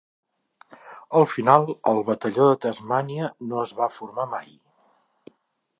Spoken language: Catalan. Al final, el batalló de Tasmània no es va formar mai.